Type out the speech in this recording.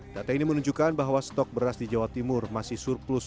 data ini menunjukkan bahwa stok beras di jawa timur masih surplus sembilan ratus ton